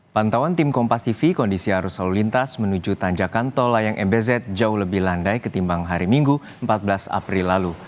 pantauan tim kompas tv kondisi arus lalu lintas menuju tanjakan tol layang mbz jauh lebih landai ketimbang hari minggu empat belas april lalu